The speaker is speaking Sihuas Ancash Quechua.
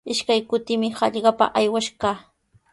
Ishkay kutimi hallqapa aywash kaa.